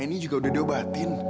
ini juga udah diobatin